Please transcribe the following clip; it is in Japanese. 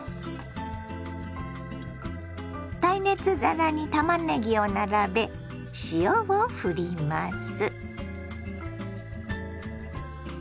耐熱皿にたまねぎを並べ塩をふります。